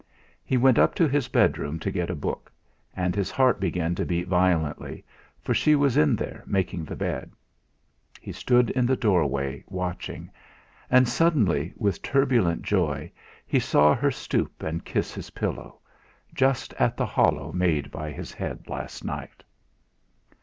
He went up to his bedroom to get a book, and his heart began to beat violently, for she was in there making the bed. He stood in the doorway watching; and suddenly, with turbulent joy, he saw her stoop and kiss his pillow, just at the hollow made by his head last night.